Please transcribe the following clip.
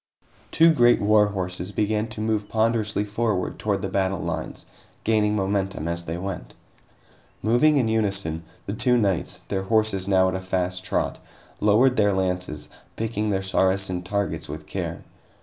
Two great war horses began to move ponderously forward toward the battle lines, gaining momentum as they went. Moving in unison, the two knights, their horses now at a fast trot, lowered their lances, picking their Saracen targets with care.